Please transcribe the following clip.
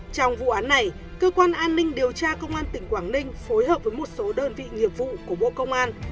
trong vụ án này cơ quan an ninh điều tra công an tỉnh quảng ninh phối hợp với một số đơn vị nghiệp vụ của bộ công an